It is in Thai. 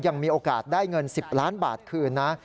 ยังมีโอกาสได้เงิน๑๐ล้านบาทคืนนะ